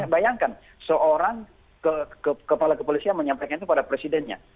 bayangkan seorang kepala kepolisian menyampaikan itu pada presidennya